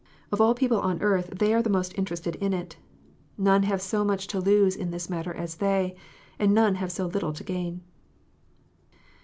Of all people on earth they are the most interested in it. None have so much to lose in this matter as they, and none have so little to gain.